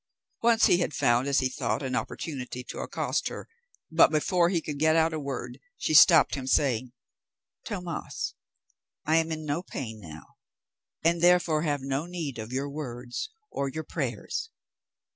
Once he had found as he thought an opportunity to accost her, but before he could get out a word, she stopped him, saying, "Tomas, I am in no pain now, and therefore have no need of your words or of your prayers.